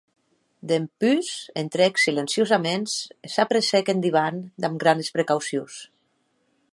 Dempús entrèc silenciosaments e s’apressèc en divan damb granes precaucions.